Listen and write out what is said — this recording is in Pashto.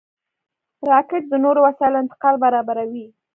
راکټ د نورو وسایلو انتقال برابروي